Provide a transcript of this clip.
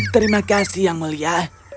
terima kasih yang mulia